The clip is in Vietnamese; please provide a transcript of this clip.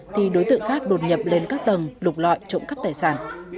thì đối tượng khác đột nhập lên các tầng lục lọi trộm cắp tài sản